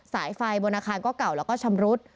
สายไฟบนอาคารก็เก่าแล้วก็ชำรุด